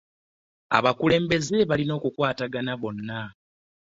Abakulembeze balina okukwatagana bonna.